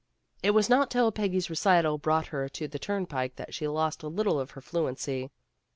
It was not till Peggy's recital brought her to the turnpike that she lost a little of her fluency.